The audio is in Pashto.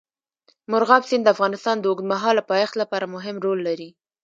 مورغاب سیند د افغانستان د اوږدمهاله پایښت لپاره مهم رول لري.